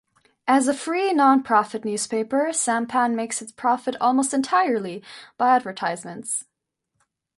As a free, nonprofit newspaper, Sampan makes its profit almost entirely by advertisements.